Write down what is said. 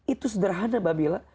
itu sederhana mbak bila